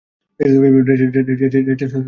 Rachel এটা করতে বলেছিল।